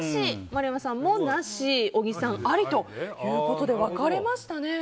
丸山さんもなし小木さん、ありということで分かれましたね。